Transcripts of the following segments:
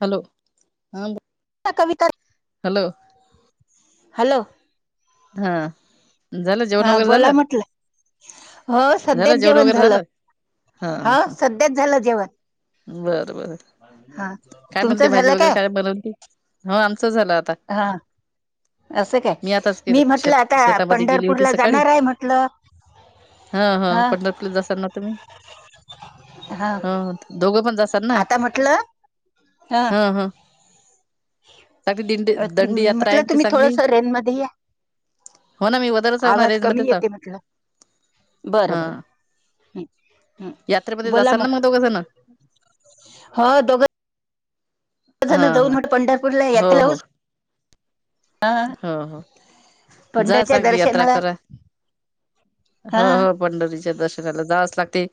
Hello हा बो Kavita hello हा झालं जेवण हा वगैरे बोला झालं म्हटलं हो सध्याच जेवण झालं हा सध्याच झालं जेवण बर हा काय म्हणते तुमचं भाजी झालं वगैरे काय बनवती हो आमच झालं आता हा असं काय आताच केलं मी म्हटलं शेत आता शेतामध्ये गेली होती पंढरपूरला सकाळी जाणार आहे म्हटलं हा हा पंढरपूरला जासाल ना तुम्ही हा दोघ आता म्हटलं हं ह ह चांगली दिंडी अ दंडी यात्रा आहे म्हटल ती तुम्ही चांगली थोडस रेंज मध्ये या हो ना मी वदरच आहे ना आवाज रेंज कमी मध्येच आहो येतय म्हटलं हा बरं बर ह ह् यात्रेमध्ये बोला जासाल ना दोघं जण मग हा दोघ जण हा जाऊन हा हट पंढरपूरला हो यात हो लावूस [unintelligible] हो हो जाच पंढरच्या अगदी यात्रा दर्शनाला करा हा हो हो पंढरीच्या दर्शनाला जावच लागतंय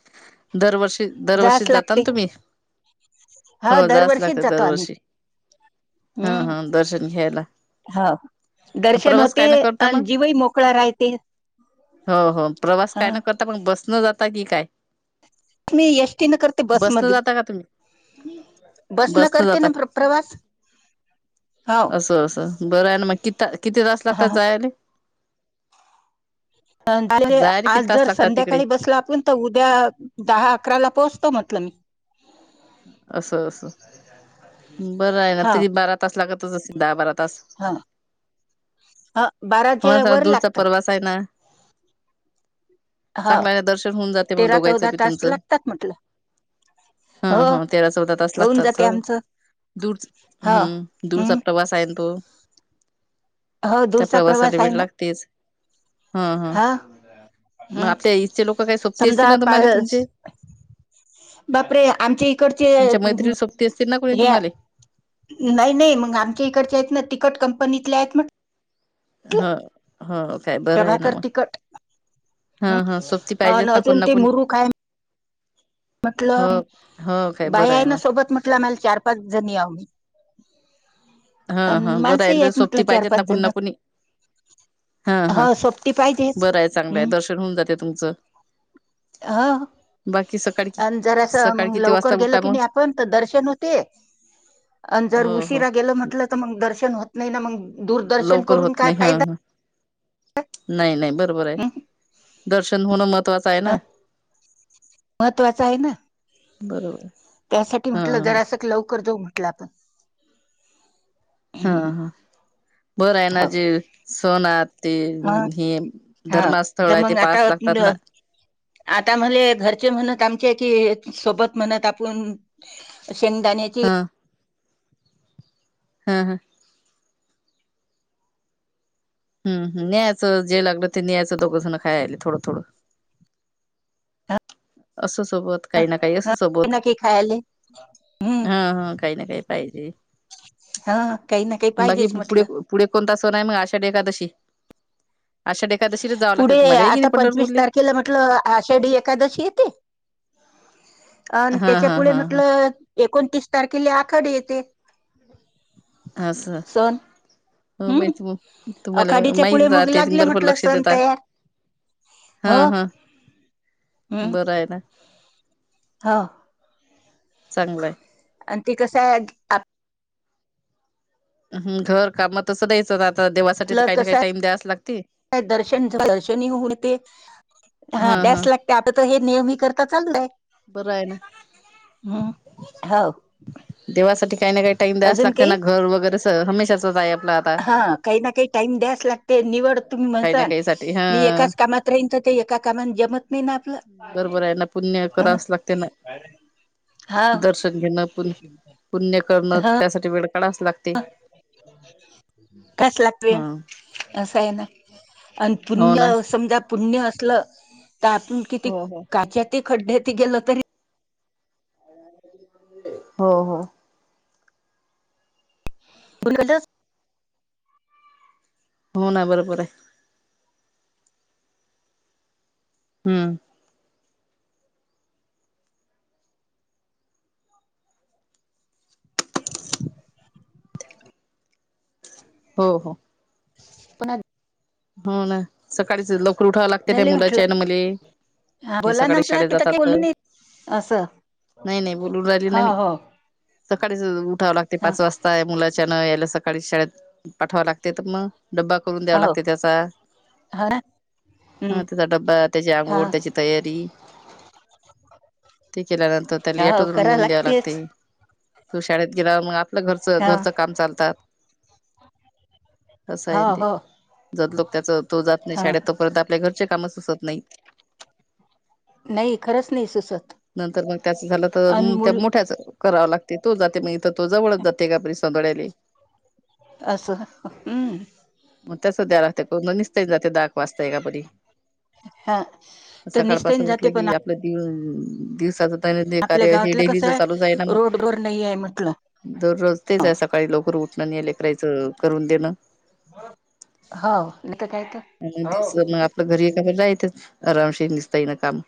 दरवर्षी दरवर्षी जाच जाता लागते ना तुम्ही हो जावंच दरवर्षीच लागत जातो आम्ही दरवर्षी हा हम्म हा दर्शन घ्यायला. हो दर्शन प्रवास होते काय न करता आणि मग? जीव ही मोकळा राहिते. हो हो प्रवास कायन करता पण बस नं जाता की काय मी एस टी न करते बस बसनं मधून जाता का तुम्ही? बस न बसनं करत जाता. ना प्र प्रवास हो असं असं बरं हाय ना मग कि किती तास हा लागतात जायले. जायाले [unintelligible] किती आज तास जर लागतात तिकडे? संध्याकाळी बसला आपण तर उद्या दहा अकराला पोहोचतो म्हटलं मी. असं असं बरं हाय ना हा तरी बारा तास लागतच असतीन दहा बारा तास. हा ह हो बाराच्या चं वर दूरचा लागतात प्रवास हाय ना. हा चांगल हाय ना दर्शन होऊन जातय मंग तेरा दोघायचं चौदा बी तास तुमचं लागतात म्हटलं हा हो हा तेरा चौदा तास होऊन लागतात जाते हो. आमचं दूर चं हो हम्म दूरचा हम् प्रवास हाय ना तो. हो त्या दूरचा प्रवासाला प्रवास हाय वेळ ना लागतेच हा मग हम् आपल्या इथचे लोक काय सोपती असतील ना तुम्हाला तुमचे बाप रे! आमच्या इकडचे तुमच्या मैत्रिणी सोबती असतील ना कोणी ह्या तुम्हाले नाई नाई मंग आमच्या इकडच्या आहेत ना तिकट कंपनीतले आहेत नं. ह हो काय बरं आहे ना प्रभाकर मग तिखट हा ह् हा सोबती अ पाहिजेच ना कोणी अजून ना ते कोणी मुरू काय हो म्हटलं हो काय बाई बरं आहे ना मग सोबत म्हटलं आम्हाला चार पाच जणी हाव आम्ही. हा हा बरं आहे आहेत म्हटलं सोपती चार पाहिजेत ना पाच कुणी जण ना कुणी. हा हा हो सोबती पाहिजेच बरं आहे चांगलंय दर्शन होऊन जातय तुमचं. हा बाकी सकाळी कि अनं जरासं सकाळी मंग किती लवकर वाजता गेल उठा की मग नाय आपण त दर्शन होते. अनं जर हो हो उशिरा गेलं म्हटलं तर मग दर्शन होत नाही ना मंग दूरदर्शन लवकर करून होत काय नाही हा फायदा हा नाही नाही बरोबर आहे हं, दर्शन होणं महत्वाचं आहे ना. महत्त्वाच हाय ना. बरोबर. त्यासांठी हा म्हटलं जरा असं लवकर जाऊं म्हटलं आपणं हा बरं आहे ना हो जे संन नांत ते हं, हे हो धर्मस्थंळ तर आहे ते मग पास आता लागतांत न- ना आता म्हणे घरचे म्हणत आमचें कि सोबत म्हणतं आपण शेंगदाण्यांची हम हम हम्म हम्म नाय असं जे लागलं ते न्यायचं दोघं जण खायाले थोडं थोडं असं सोबत काही ना काही असत सोबत. ना काही खायले हम्म हा हा काय ना काय पाहिजे. हा काही ना काही बाकी पाहिजेच पुढे म्हटलं पुढे कोणता सण हाय मग आषाढ एकादशी. आषाढी एकादशीलाच जावं लागते पुढे तुम्हाला हे की आता नाही पंचवीस पंढरपूरले तारखेला म्हटलं आषाढी एखादशी येते. अ नं हा त्याच्या हा पुढे हा म्हटल एकोणतीस तारखेला आखाडी येते. अस सण हो बाय हम्म त तुम्हाला आखाडीच्या पुढे माहीतचं हा मग ते तुम्ही लागले भरपूर म्हटलं लक्ष सण देता तयार हा हो हा बरं हाय ना हा चांगलंय. आणि ते कस आहे हं घर काम तसं द्यायचं ना आता देवासाठी तर आपलं काय ना काय कसं टाईम द्यायच लाग दर्शन दर्शनी होतें हा हा हाभ्यांस लागते आतां तरं हे नेहमी कर आता चालतं बरं आहे ना ह् हो देवासांठी कांहीं ना कांहीं टाईम द्यायचं अजून लागते ना काही घरं वगैरे अस हमेशाच आहे आपलं आता हा कांहीं ना कांहीं टाईम द्यास लागते निवड तुम्हीं काही ना म्हणसांल काही साठी हा मी एकाचं कामांत राहीन तरं ते एकां कामांत जमतं बरबरा आहे नां पुण्यं अ करावचं लागते ना हा दर्शन घेणं पु पुण्यं करणं त्यासाठीं वेळ काढावाच लागते ह कस लागवे हा असं आहे ना [unintelligible] आणि हो ना पुण्यं समजां पुण्यं असं पुण्यं तर आपणं किती हो हो काच्यात खड्ड्यात गेलं तरी हो हो. पुल [inaudible] [unintelligible] हो नां बरोबर आहे. हम्म, हो हो पुन्हा [unintelligible] हो नां सकाळीच लवकर उठावं लागते नां झाले म्हटलं मुलांच्या ना मुलें. हा बोला नां तिथं बोलून नाहीं असं हो हो सकाळीचं उठावं लागते ह पांच वाजता मुलांच्यान यांले सकाळीं शाळेंत पाठवावं लागते तरं मंग डब्बा करूंन द्यावा हो लागते त्यांचा. हो ना हम्म हा त्यांचा डब्बा त्यांची हा आंघोळ त्यांची तयारी ते केल्यानंतर त्यांला हो ऑटो वरून करा नेऊन द्यावं लागते लागतेच तो शाळेंत गेलावर मंग आता. आपल घरचं हा घरचं कामं चालतांत. तसं आहे हो ते हो जदंलोक त्याचं त्तो जातं नाहीं हा शाळेऊत तोंपर्यंत आपल्या घरंचे कामं सुचत. नाहीं. नाहीं खरंच नाहीं सुचत. नंतर मंग त्याचं झालं आणि तरं त्यां मुल मोठ्यांच करावा लागते तो जाते मंग तो जवळचं जाते का कॅबरेस चंतडली [unintelligible] [unintelligible] अससं हम्मं मग त्यास द्या लागते निस्ते जाते दाग वाचताय का बरी हा तर निसटून सकाळपासून उठलं जाते पण की आपलं दिवसं. दिवसाचं दैनंदिय आपल्या कार्य हे गावातलं कसं डेलीचं चालूचचं आहे ना मग. रोडवर नाही आहे म्हटलं दररोज तेच आहे सकाळी लवकर उठणं न्यारी करायचं करून देणं हो नाही तर काय तर मग दिस मग आपल्या घरी एका राहतच आरामशीर दिसतंय ये ना काम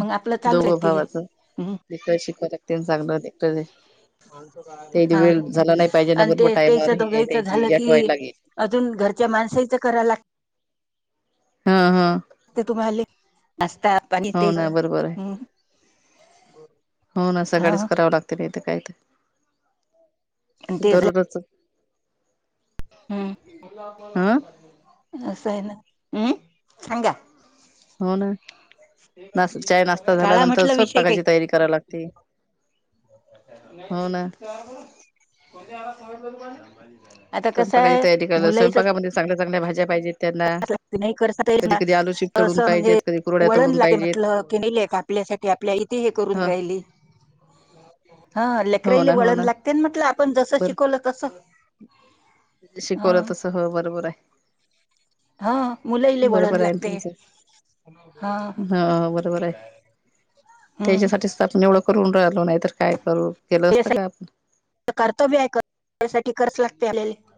मग आपलं चालू आहे दोघो ते भावाचं हम्म, तिकडे शिकवतते चांगलं एकटं. हा ना आणि बरोबर ते टायमावर त्याचं हे दोघांचं झालं त्याची आठवाय की. लागेल. अजून घरच्यां माणसांचं करायंला लागतं हा हा ते तुम्हांले असं चहा पाणी हो ना तेचं बरोबर आहे हम् हो नां सकाळीचं करावं लागते नाहीं तरं कायं तरं आणि दररोज हम्मं हा असं आहे नां हम्मं सांगा. हो. ना. ना चाय नाश्ता काळा झाल्यानंतर म्हटलं विषय स्वयंपाकाची तयारी करावी लागते. हो नाही ना तेर क आ [inaudible] [unintelligible] स्वयंपाकाची तयारी करायला स्वयंपाकामध्ये चांगल्या चांगल्या भाज्यां. करांच लागते नाहीं करत नां कधी आलू चिप्स तळून असं पाहिजेत म्हणजे कधी कुरड्या वळणं तळून लागे पाहिजेत म्हटलं की नाहीं आपल्या सांठी आपलीं आई इंथे हे करूंन राहीली ह [unintelligible] हा हो लेकराले ना हो वळण लागते ना आपण जसं बर शिकवलं तसं शिकवलं हा. तसं हो बरोबर आहे. हा मुलंले वळण बरोबर आहे ना लागते. तुमचं हा हो बरोबर आहे हम्म. त्याच्यासाठीच तर आपण एवढं करून राहिलो नाही तर काय करू केलं असतं का त्यासाठी आपण.. कर्तव्य आहे कर त्यासाठी कर.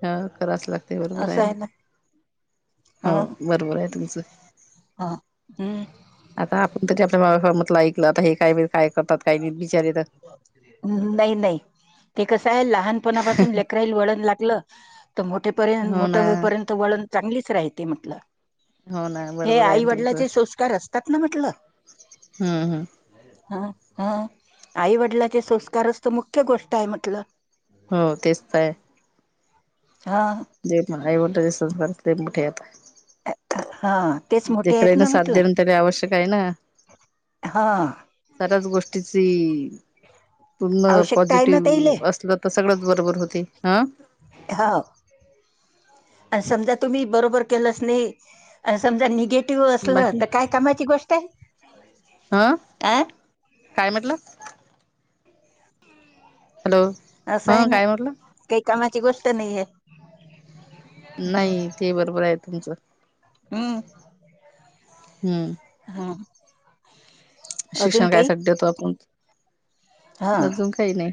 हा कराच लागते बरोबर आहे ना हो हा बरोबर आहे तुमचं. हा. आता आपण तरी आपल्या भागात बिचारे तर नाही नाही ते कस लहानपणापासून लेकराईल वळण लागलं तर मोठेपर्यंत हो मोठ ना होईपर्यंत वळण चांगलीच राहते म्हटलं हो ना हे बरोबर आहे ना तुमचं आईवडिलाचे संस्कार असतात ना म्हटलं हम्म हम्म हम आईवडिलांचे संस्कारच तर मुख्य गोष्ट आहे म्हटलं हो तेच तर आहे हा जे पण आईवत ते सं ते मोठे आत हा तेच मोठे जखरा आहेत आहे ना साात म्हटलं देण तरी आवश्यक आहे ना हा सऱ्याच गोष्टीची पूर्ण आवश्यकता आहे ना त्याले पॉझिटिव्ह असलं तर सगळंच बरोबर होते हा समा तुम् बबर के नाही सम निे ी असलं तर काय कामाची गोष्ट आहे हं आ काय म्हटलं हॅलो असं आहे हा ना काय म्हटलं काही कामाची गोष्ट नाही आहे नाही ते बरोबर आहे तुमचं हम्म हम्म हम शिक्षण कायसाठी देतो आपण हा अजून काही नाही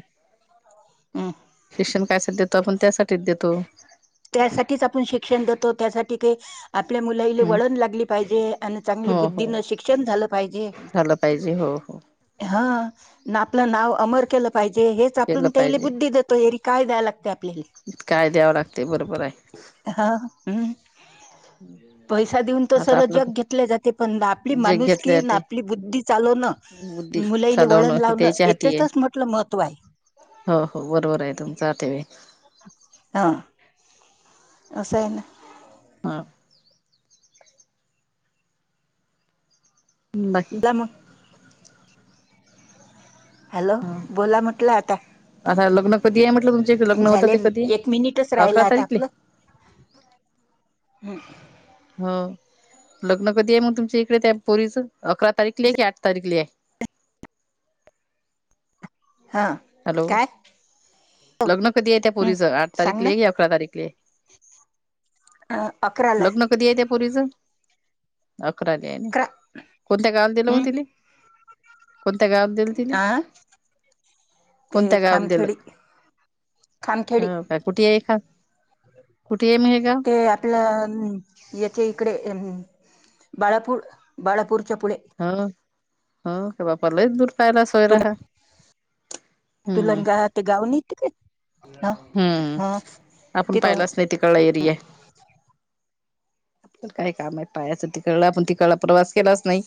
हम्म. शिक्षण कायसा देतो आपण त्यासाठी त्यासाठीच आपण शिक्षण देतो त्यासाठी ते आपल्या मुलाला हम्म वळण लागली पाहिजे आणि चांगली हो हो बुद्धीन शिक्षण झालं पाहिजे झालं पाहिजे हो हो. हा. ना आपलं नाव अमर केलं पाहिजे हेच केलं आपून त्या पाहिजे बुद्धी देतो हेरी काय दयला लागते आपले काय द्यावं लागते बरोबर आहे. हा हम्म हम्. पैसा देऊन तर सर जग घेतले जाते पण आपली जे माणूस घेतले कीन ते आपली बुद्धी चालव ना बुद्धी मुलाईला चालवणं वळण हे लावणं त्याच्या हाती आहे. येथेतच म्हटलं महत्व आहे हो हो बरोबर आहे तुमचा आ ट व हा रसईन हा बाकी तमु हॅलो बोला म्हटलं आता आता लग्न कधी आहे म्हटलं तुमचे लग्न होतं झाले ते कधी एक मिनिटच आहे अकरा राहिला आता तारीखले ह हम हा लग्न कधी आहे मग तुमच्या इकडे त्या पोरीच अकरा तारीख ल आहे की आठ तारीख ल आहे [unintelligible] हा हॅलो काय लग्न कधी आहे त्या हम्म परीच आठ तारीख सांग ना ल कि अकरा तारीख ल आहे. अ, अकराला लग्न कधी आहे त्या पोरीचं तक्र आली आहे अकरा कोणत्या कााल दिलं मग हम्म तिला कोणत्या गाात देल तिने हा ते कोणत्या गावल दिलं खामखेडी खामखेडी ह का कुठे आहे मग हे गाव ते आपलं येथे इकडे अ बाळपू बाळपूरच्या पुळे हो हो का बापा लयच दूर पयला तु सोयरा ह हम्म क हम्म आपण तिथं पाहिलाच नाही तिकळा एरी आहे. आप काय काम आहे पायाच तिकडला आपण तिकडला प्रवास केलाच नाही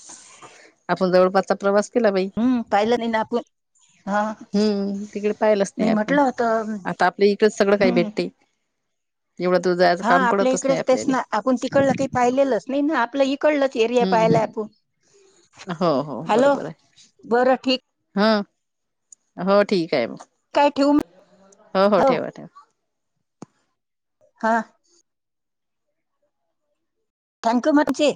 आपण जवळपासचा प्रवास केला बाई हम्म पाहिलं नाही ना आपण हा हम्म तिकडे पाहिलच मी नाही आपुण म्हटलं होतं आता आपल्या इकड सगळं काही हम्म भेटते. एवढं दूर जायचं हा काम आपल्या पडतच नाही इकडेच तेच आपल्याला ना आपण तिकडल ते पाहिलेलंच नाही ना आपल्या इ पकडलं त एरया हम्म पाहायला हम्म आपूण हो हो बरोबर आहे बरं ठीक हाय हो ठीक आहे. ठेऊ मग. हो हो ठेवा ठेवा. हा. थँक्यू मंची